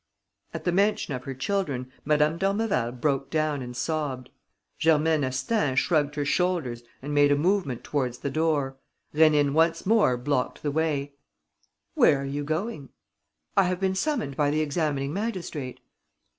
At the mention of her children, Madame d'Ormeval broke down and sobbed. Germaine Astaing shrugged her shoulders and made a movement towards the door. Rénine once more blocked the way: "Where are you going?" "I have been summoned by the examining magistrate."